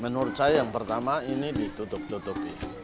menurut saya yang pertama ini ditutup tutupi